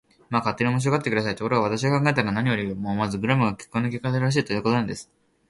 まあ、勝手に面白がって下さい。ところが、私が考えたのは、何よりもまずクラムが結婚のきっかけらしい、ということなんです。